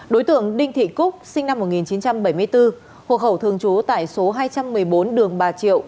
đối tượng đinh thị cúc sinh năm một nghìn chín trăm bảy mươi bốn hộ khẩu thường trú tại số hai trăm một mươi bốn đường bà triệu